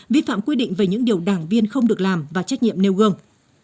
vi phạm quy định về những điều đảng viên không được làm và trách nhiệm nêu gương